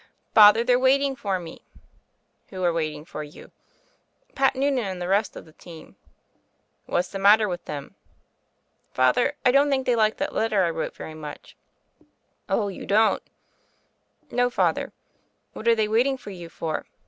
"Father, they're waiting for me." "Who are waiting for you?" "Pat Noonan and the rest of the team." "What's the matter with them?" "Father, I don't think they liked that letter I wrote very much." "Oh, you don't?" "No, Father." "What are they waiting for you for?"